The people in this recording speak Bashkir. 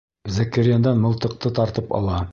Зәкирйәндән мылтыҡты тартып ала.